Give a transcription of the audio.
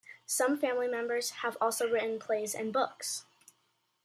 Some family members have also written plays and books.